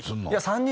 ３人？